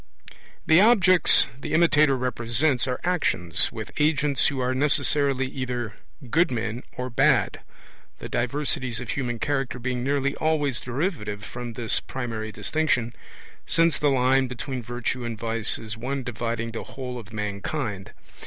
The objects the imitator represents are actions, with agents who are necessarily either good men or bad the diversities of human character being nearly always derivative from this primary distinction, since the line between virtue and vice is one dividing the whole of mankind.